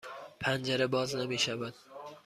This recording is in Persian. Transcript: پنجره باز نمی شود.